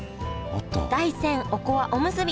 大山おこわおむすび